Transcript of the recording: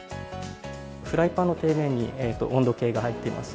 フライパンの底面に、温度計が入っています。